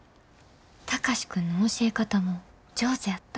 貴司君の教え方も上手やった。